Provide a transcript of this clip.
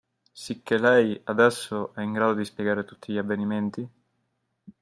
Sicchè lei, adesso, è in grado di spiegare tutti gli avvenimenti?